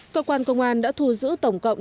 cơ quan công an đã thu giữ tổng cộng